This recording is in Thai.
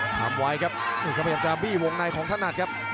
ทำไวครับเค้าพยายามจะบีบวงในของถนัดครับ